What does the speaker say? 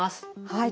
はい。